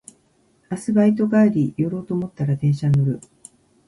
明日バイト帰り寄ろうと思ったら電車に乗る